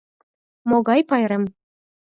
Могай пайрем?